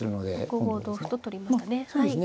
５五同歩と取りましたね。